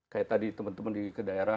kayak tadi teman teman di daerah